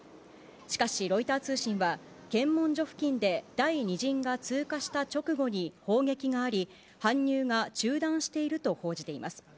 しかし、ロイター通信は、検問所付近で第２陣が通過した直後に砲撃があり、搬入が中断していると報じています。